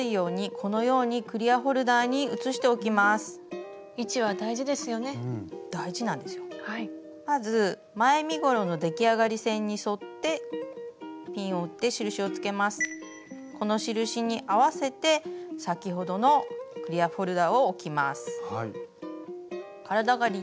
この印に合わせて先ほどのクリアホルダーを置きます。